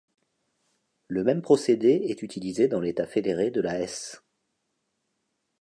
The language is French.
Le même procédé est utilisé dans l'état fédéré de la Hesse.